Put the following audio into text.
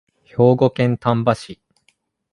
兵庫県丹波市